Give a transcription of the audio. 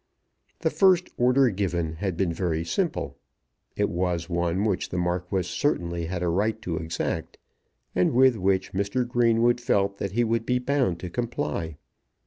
The first order given had been very simple. It was one which the Marquis certainly had a right to exact, and with which Mr. Greenwood felt that he would be bound to comply.